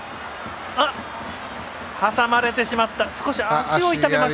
挟まれてしまった。